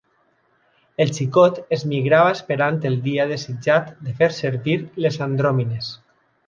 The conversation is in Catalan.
El xicot es migrava esperant el dia desitjat de fer servir les andròmines.